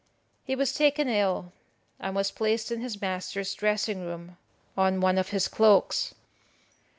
He was taken ill, and was placed in his master's dressing room on one of his cloaks.